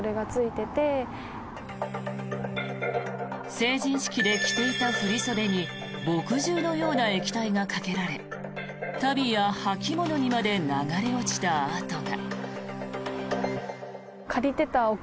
成人式で着ていた振り袖に墨汁のような液体がかけられ足袋や履物にまで流れ落ちた跡が。